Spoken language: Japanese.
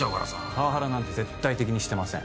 パワハラなんて絶対的にしてません。